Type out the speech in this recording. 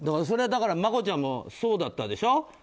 それはだからマコちゃんもそうだったでしょ？